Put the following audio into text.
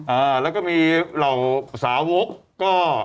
อ่าแล้วก็มีเหล่าสาวกก็